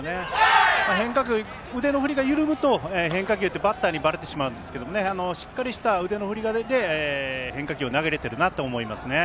変化球、腕の振りが緩むと変化球ってバッターにばれてしまうんですがしっかりした腕の振りで変化球を投げれてるなと思いますね。